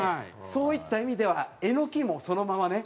そういった意味ではエノキもそのままね。